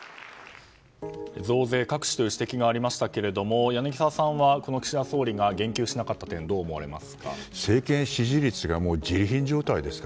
増税隠しという指摘がありましたが柳澤さんは岸田総理が言及しなかった点どう思われますか？